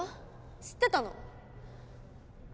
知ってたの？